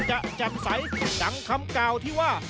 จะจำใสจังคำกาวที่ว่า